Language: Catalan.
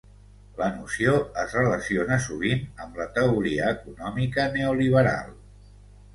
La noció es relaciona sovint amb la teoria econòmica neoliberal.